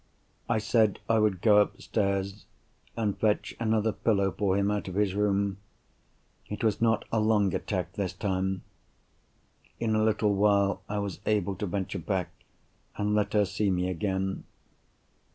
I said I would go upstairs, and fetch another pillow for him out of his room. It was not a long attack, this time. In a little while I was able to venture back, and let her see me again.